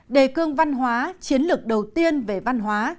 đề cương văn hóa chiến lược đầu tiên về văn hóa